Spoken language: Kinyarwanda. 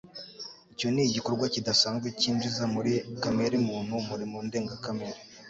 Icyo ni igikorwa kidasanzwe cyinjiza muri kameremuntu umurimo ndengakamere.